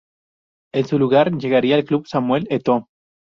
En su lugar, llegaría al club Samuel Eto'o.